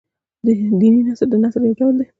دیني نثر د نثر يو ډول دﺉ.